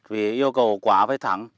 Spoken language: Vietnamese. vì yêu cầu quả phải thẳng